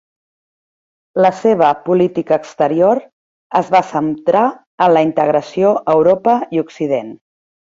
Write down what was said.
La seva política exterior es va centrar en la integració a Europa i Occident.